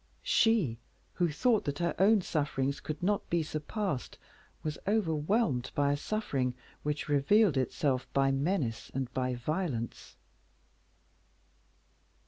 She, who thought that her own sufferings could not be surpassed, was overwhelmed by a suffering which revealed itself by menace and by violence.